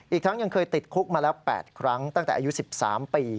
อีกทั้งยังเคยติดคุกมาแล้ว๘ครั้งตั้งแต่อายุ๑๓ปี